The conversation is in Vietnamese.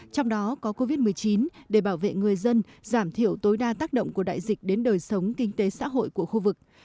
trong đó có covid một mươi chín để bảo vệ người dân giảm thiểu tối đa tác động của đại dịch đến đời sống kinh tế xã hội của khu vực